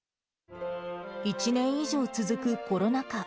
１年以上続くコロナ禍。